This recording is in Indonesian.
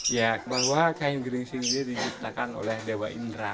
ya bahwa kain geringsing ini diciptakan oleh dewa indra